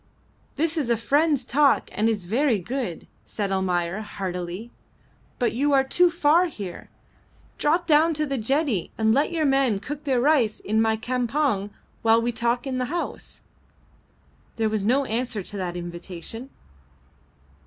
"This is a friend's talk, and is very good," said Almayer, heartily. "But you are too far here. Drop down to the jetty and let your men cook their rice in my campong while we talk in the house." There was no answer to that invitation.